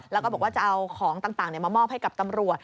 แล้วก็บอกว่าจะเอาของต่างมามอบให้กับตำรวจ